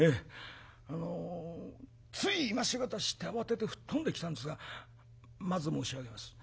あのつい今し方知って慌てて吹っ飛んできたんですがまず申し上げます。